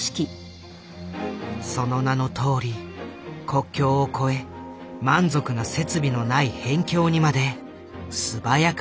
その名のとおり国境を越え満足な設備のない辺境にまで素早く駆けつける。